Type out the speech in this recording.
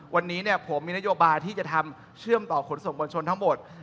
วันนี้ผมมีนโยบายที่จะทำเชื่อมต่อขนส่งมวลชนทั้งหมด